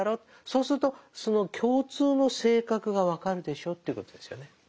そうするとその共通の性格が分かるでしょということですよね。